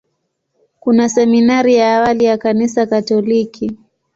Kuna seminari ya awali ya Kanisa Katoliki.